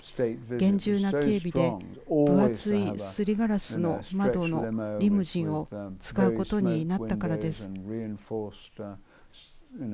厳重な警備で分厚いすりガラスの窓のリムジンを使うことになったからです。